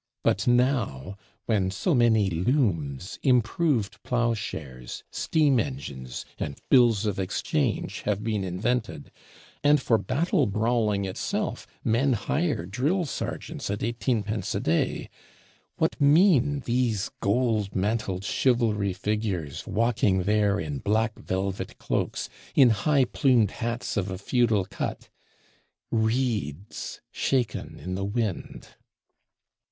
But now, when so many Looms, improved Plow shares, Steam Engines, and Bills of Exchange have been invented; and for battle brawling itself, men hire Drill Sergeants at eighteen pence a day, what mean these gold mantled Chivalry Figures, walking there in "black velvet cloaks," in high plumed "hats of a feudal cut"? Reeds shaken in the wind!